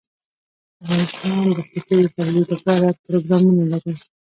افغانستان د ښتې د ترویج لپاره پروګرامونه لري.